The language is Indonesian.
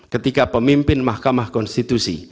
ketika pemimpin mahkamah konstitusi